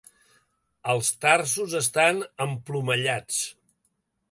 Els tarsos estan emplomallats.